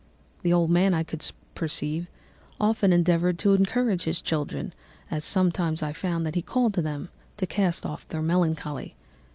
The old man, I could perceive, often endeavoured to encourage his children, as sometimes I found that he called them, to cast off their melancholy.